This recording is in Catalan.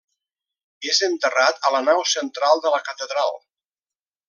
És enterrat a la nau central de la catedral.